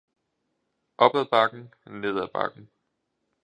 Opad bakken, nedad bakken